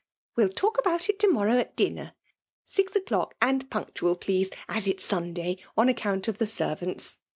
*^ Well talk about it to morrow at dinner. Six o*clock and punctual, please, as it*s Sunday, on account of the ftervltnts.